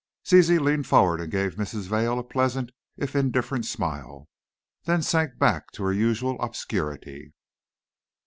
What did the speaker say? Zizi leaned forward and gave Mrs. Vail a pleasant if indifferent smile, then sank back to her usual obscurity.